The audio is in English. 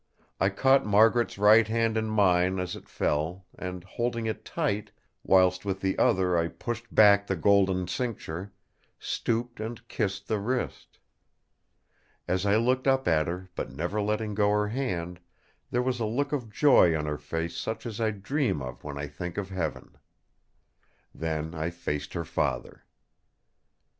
I caught Margaret's right hand in mine as it fell, and, holding it tight, whilst with the other I pushed back the golden cincture, stooped and kissed the wrist. As I looked up at her, but never letting go her hand, there was a look of joy on her face such as I dream of when I think of heaven. Then I faced her father.